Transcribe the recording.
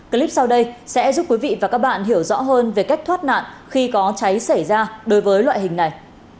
clip sau đây sẽ giúp quý vị và các bạn hiểu rõ hơn về cách thoát nạn khi có cháy xảy ra đối với loại hình này